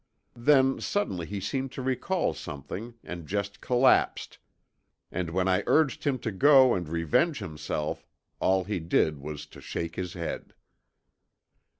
Then suddenly he seemed to recall something and just collapsed, and when I urged him to go and revenge himself, all he did was to shake his head.